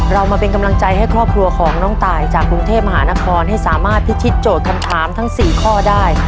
เรามาเป็นกำลังใจให้ครอบครัวของน้องตายจากกรุงเทพมหานครให้สามารถพิชิตโจทย์คำถามทั้ง๔ข้อได้